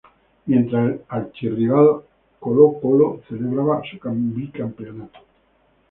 Mientras el archirrival Colo-Colo celebraba su bicampeonato.